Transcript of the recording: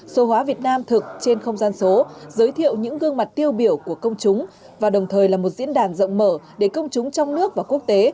số hóa việt nam thực trên không gian số giới thiệu những gương mặt tiêu biểu của công chúng và đồng thời là một diễn đàn rộng mở để công chúng trong nước và quốc tế